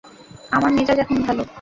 আমার মেজাজ এখন ভালো।